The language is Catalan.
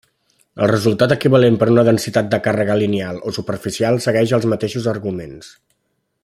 El resultat equivalent per una densitat de càrrega lineal o superficial segueix els mateixos arguments.